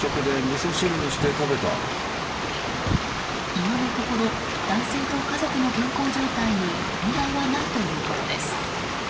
今のところ男性と家族の健康状態に問題はないということです。